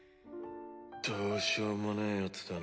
どうしようもねえヤツだな。